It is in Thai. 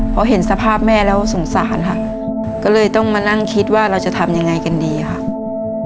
พอเห็นสภาพแม่แล้วสงสารค่ะก็เลยต้องมานั่งคิดว่าเราจะทำยังไงกันดีค่ะ